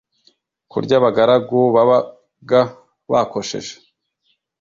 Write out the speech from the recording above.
kurya abagaragu babaga bakosheje.